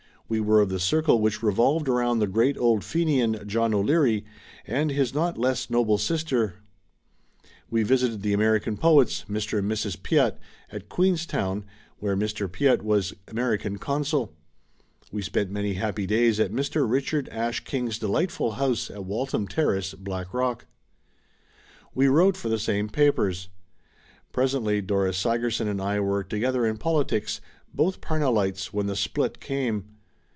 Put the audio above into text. We werfe of the circle which revolved around the great old Fenian, John O'Leary, and his not less noble sister; we visited the American poets, Mr. and Mrs. Piatt, at Queenstown, where Mr. Piatt was American Consul; we spent many happy days at Mr. Richard Ashe King's delightful house at Waltham Terrace, Blackrock. We wrote for the same papers. Presently Dora Sigerson and I were together in politics, both Pamellites when the "split" came.